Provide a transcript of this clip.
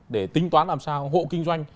để tính toán làm sao hộ kinh doanh